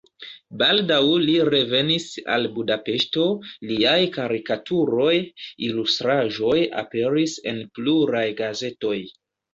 Baldaŭ li revenis al Budapeŝto, liaj karikaturoj, ilustraĵoj aperis en pluraj gazetoj.